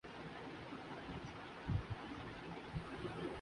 اس کی کمینگی ایک مستقل لطیفہ بن چکی ہے